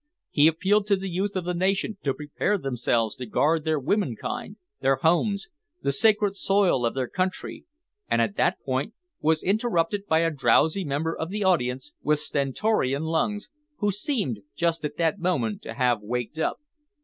He appealed to the youth of the nation to prepare themselves to guard their womenkind, their homes, the sacred soil of their country, and at that point was interrupted by a drowsy member of the audience with stentorian lungs, who seemed just at that moment to have waked up.